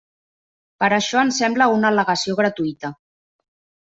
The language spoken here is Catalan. Però això ens sembla una al·legació gratuïta.